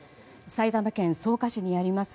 埼玉県草加市にあります